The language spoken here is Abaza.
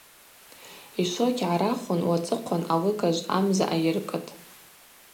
Йшвокь гӏарахвын уацӏыхъван алыгажв амза айыркӏытӏ.